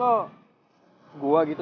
ah mau bom kayak gini aja